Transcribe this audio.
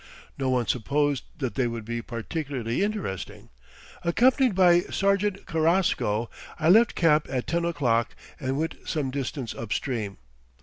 No one supposed that they would be particularly interesting. Accompanied by Sergeant Carrasco I left camp at ten o'clock and went some distance upstream.